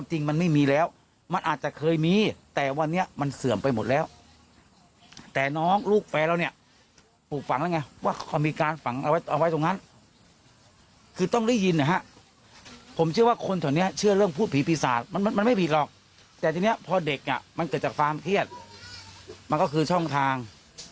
แต่ทีนี้พอเด็กมันเกิดจากความเครียดมันก็คือช่องทาง